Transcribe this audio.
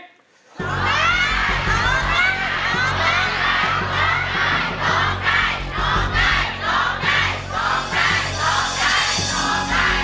ร้องได้ร้องได้